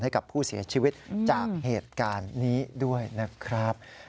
ให้กับผู้เสียชีวิตจากเหตุการณ์นี้ด้วยนะครับ